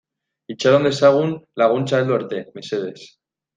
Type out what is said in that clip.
Itxaron dezagun laguntza heldu arte, mesedez.